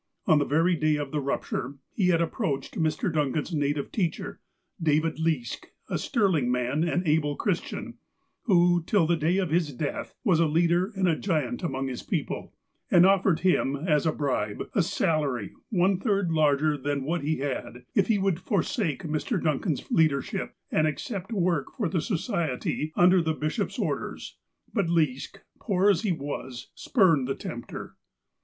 On the very day of the rupture, he had approached Mr. Duncan's native teacher, David Leask, a sterling man and able Christian (who, till the day of his death, was a leader and a giant among this people), and offered him, as a bribe, a salary one third larger than what he had, if he would forsake Mr. Duncan's leadership, and accept work for the Society under the bishop's orders. But Leask, poor as he was, spurned the tempter.